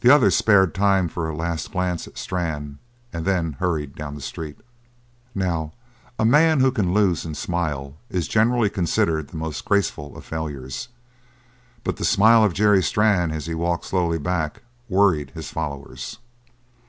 The other spared time for a last glance at Strann and then hurried down the street. Now, a man who can lose and smile is generally considered the most graceful of failures, but the smile of Jerry Strann as he walked slowly back worried his followers.